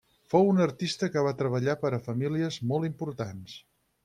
Fou un artista que va treballar per a famílies molt importants.